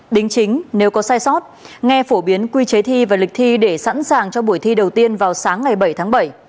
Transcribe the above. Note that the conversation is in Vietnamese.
đính chính nếu có sai sót nghe phổ biến quy chế thi và lịch thi để sẵn sàng cho buổi thi đầu tiên vào sáng ngày bảy tháng bảy